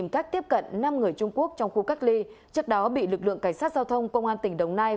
cách tiếp cận năm người trung quốc trong khu cách ly trước đó bị lực lượng cảnh sát giao thông công an tỉnh đồng nai